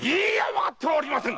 わかっておりません！